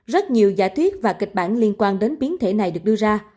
rất nhiều giả thuyết và kịch bản liên quan đến biến thể này được đưa ra